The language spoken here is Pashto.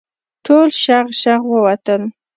ټول شغ شغ ووتل.